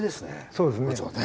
そうですね。